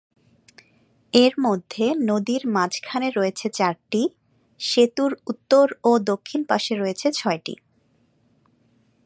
এর মধ্যে নদীর মাঝখানে রয়েছে চারটি, সেতুর উত্তর ও দক্ষিণ পাশে রয়েছে ছয়টি।